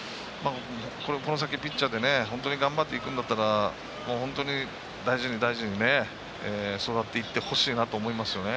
この先、ピッチャーで本当に頑張っていくんだったら本当に、大事に大事に育っていってほしいなと思いますよね。